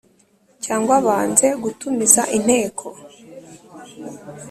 Cyangwa banze gutumiza inteko